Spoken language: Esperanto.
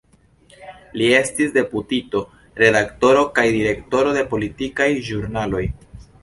Li estis deputito, redaktoro kaj direktoro de politikaj ĵurnaloj.